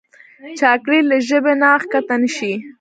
چاکلېټ له ژبې نه کښته نه شي.